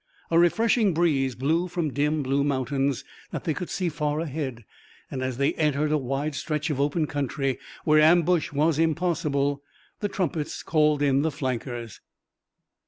A refreshing breeze blew from dim, blue mountains that they could see far ahead, and, as they entered a wide stretch of open country where ambush was impossible, the trumpets called in the flankers.